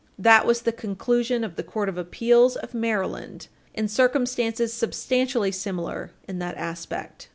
That was the conclusion of the Court of Appeals of Maryland in circumstances substantially similar in that aspect.